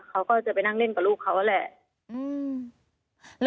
เขาก็จะไปนั่งเล่นกับลูกเขาแหละ